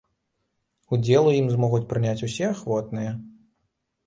Удзел у ім змогуць прыняць усе ахвотныя.